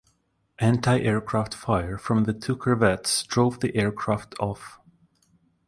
Anti-aircraft fire from the two corvettes drove the aircraft off.